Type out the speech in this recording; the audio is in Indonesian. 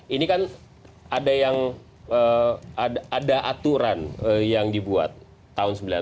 ini kan ada yang ada aturan yang dibuat tahun seribu sembilan ratus sembilan puluh